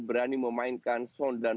berani memainkan sound dan